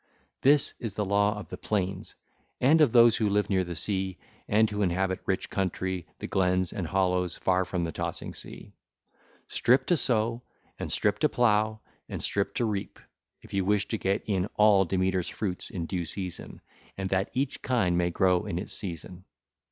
This is the law of the plains, and of those who live near the sea, and who inhabit rich country, the glens and dingles far from the tossing sea,—strip to sow and strip to plough and strip to reap, if you wish to get in all Demeter's fruits in due season, and that each kind may grow in its season.